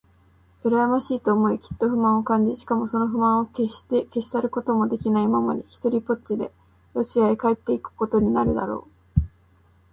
うらやましいと思い、きっと不満を感じ、しかもその不満をけっして消し去ることもできないままに、ひとりぽっちでロシアへ帰っていくことになるだろう。